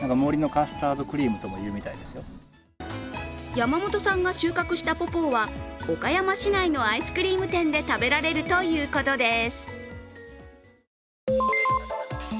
山本さんが収穫したポポーは岡山市内のアイスクリーム店で食べられるということです